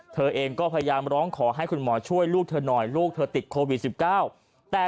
เธอเองก็พยายามร้องขอให้คุณหมอช่วยลูกเธอหน่อยลูกเธอติดโควิด๑๙แต่